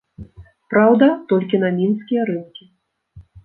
Праўда, толькі на мінскія рынкі.